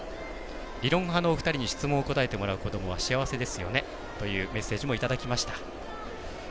理論派のお二人に質問を答えてもらえることも幸せですよねというメッセージもいただきました。